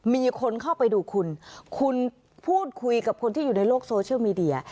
มีคนเข้าไปดูคุณคุณพูดคุยกับคนที่อยู่ในโลกโซเชียลมีเดีย